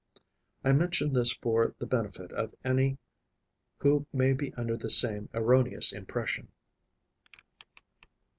I mention this for the benefit of any who may be under the same erroneous impression.